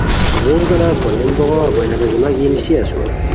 گرینج گاناؤ پونین بوغاؤا مینا بیزیماک یی نیسی اسور